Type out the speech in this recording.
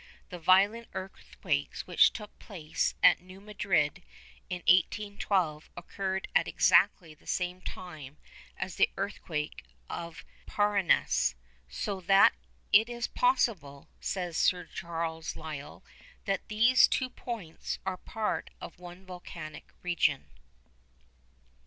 The violent earthquakes which took place at New Madrid in 1812 occurred at exactly the same time as the earthquake of Paranas, 'so that it is possible,' says Sir Charles Lyell, 'that these two points are part of one volcanic region.